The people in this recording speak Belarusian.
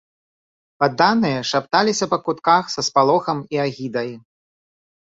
Падданыя шапталіся па кутках са спалохам і агідай.